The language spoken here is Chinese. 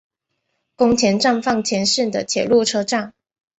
宫田站饭田线的铁路车站。